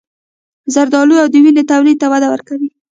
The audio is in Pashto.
زردآلو د وینې تولید ته وده ورکوي.